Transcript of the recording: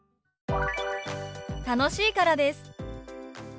「楽しいからです」。